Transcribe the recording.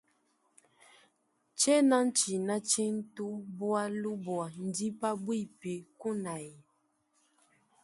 Tshena tshina tshintu bualu bua ndi pabuipi kunaya.